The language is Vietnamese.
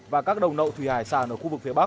và các đồng nậu thủy hải sản ở khu vực phía bắc